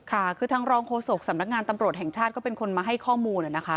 ค่ะคือทางรองโฆษกสำนักงานตำรวจแห่งชาติก็เป็นคนมาให้ข้อมูลนะคะ